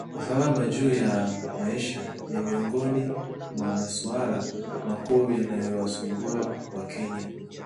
Gharama ya juu ya maisha ni miongoni mwa masuala makuu yanayowasumbua wakenya